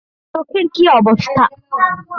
চোখের কি অবস্থা?